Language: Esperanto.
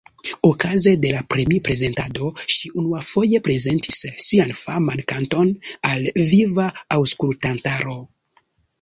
Okaze de la premi-prezentado ŝi unuafoje prezentis sian faman kanton al viva aŭskultantaro.